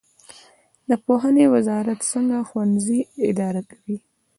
پوهنې وزارت څنګه ښوونځي اداره کوي؟